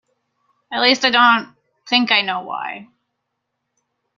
At least I don't think I know why.